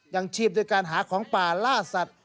ยังชีพด้วยการหาของป่าล่าสัตว์